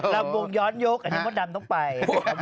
รับววงย้อนยุคโบร์ดตำต้องไป